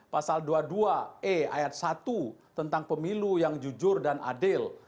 pasal dua puluh dua e ayat satu tentang pemilu yang jujur dan adil